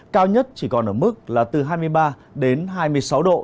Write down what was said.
cao nhất chỉ còn ở mức là từ hai mươi ba đến hai mươi sáu độ